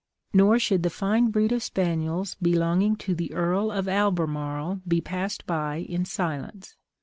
Nor should the fine breed of spaniels belonging to the Earl of Albemarle be passed by in silence.